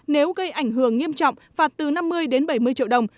nếu gây ảnh hưởng nghiêm trọng phạt từ năm mươi đến bảy mươi triệu đồng